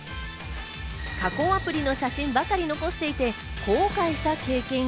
加工アプリの写真ばかり残していて、後悔した経験や。